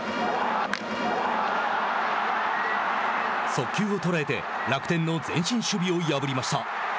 速球を捉えて楽天の前進守備を破りました。